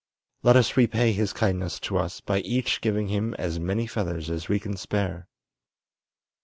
Let us repay his kindness to us by each giving him as many feathers as we can spare."